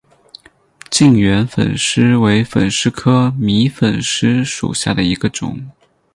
近圆粉虱为粉虱科迷粉虱属下的一个种。